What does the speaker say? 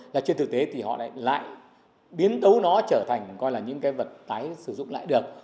là trên thực tế thì họ lại biến đấu nó trở thành coi là những cái vật tái sử dụng lại được